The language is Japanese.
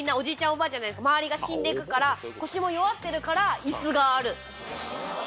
おばあちゃんたち周りが死んでいくから腰も弱ってるから椅子がある。